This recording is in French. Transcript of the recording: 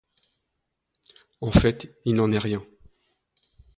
En fait il n'en est rien.